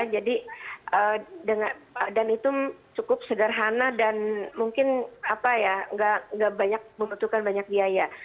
jadi dan itu cukup sederhana dan mungkin apa ya nggak membutuhkan banyak biaya